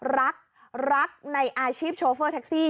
รักรักในอาชีพโชเฟอร์แท็กซี่